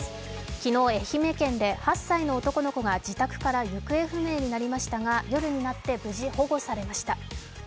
昨日、愛媛県で８歳の男の子が自宅から行方不明となりましたが夜になって無事保護されました。